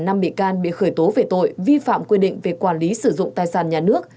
năm bị can bị khởi tố về tội vi phạm quy định về quản lý sử dụng tài sản nhà nước